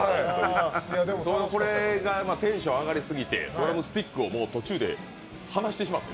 これがテンション上がりすぎてスティック途中で離してしまって。